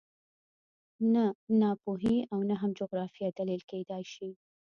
نه ناپوهي او نه هم جغرافیه دلیل کېدای شي